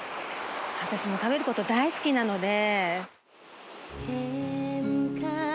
私食べること大好きなので。